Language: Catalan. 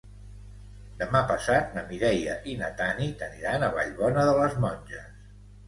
Demà passat na Mireia i na Tanit aniran a Vallbona de les Monges.